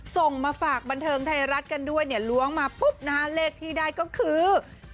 ส่งมาฝากบรรเทิงไทยรัฐกันด้วยล้วงมาเลขทีใดก็คือ